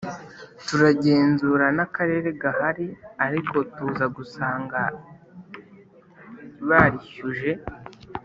turagenzura nakarere gahari ariko tuza gusanga barishyuje